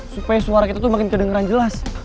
supaya suara kita tuh makin kedengeran jelas